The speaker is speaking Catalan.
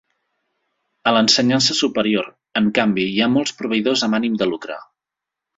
A l'ensenyança superior, en canvi, hi ha molts proveïdors amb ànim de lucre.